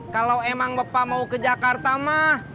kalau emang bapak mau ke jakarta mah